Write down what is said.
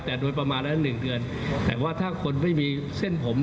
แต่โดยประมาณแล้วหนึ่งเดือนแต่ว่าถ้าคนไม่มีเส้นผม